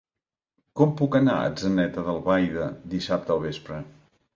Com puc anar a Atzeneta d'Albaida dissabte al vespre?